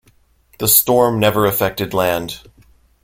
The storm never affected land.